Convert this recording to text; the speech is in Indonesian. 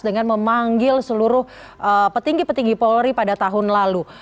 dengan memanggil seluruh petinggi petinggi polri pada tahun lalu